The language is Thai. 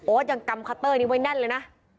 ยังกำคัตเตอร์นี้ไว้แน่นเลยนะ